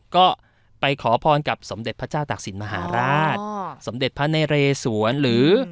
ก็ไปขอพรกับสมเด็จพระเจ้าตักศิลปมหาราชสมเด็จพระนเรศวรหรือ